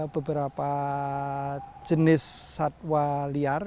beberapa jenis satwa liar